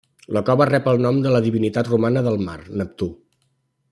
La cova rep el nom de la divinitat romana del mar, Neptú.